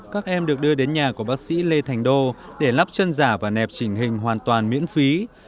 các em được đưa đến nhà của bác sĩ lê thành đô để lắp chân giả và nẹp trình hình hoàn toàn miễn phí